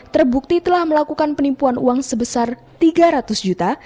terbukti telah melakukan penipuan uang sebesar tiga ratus juta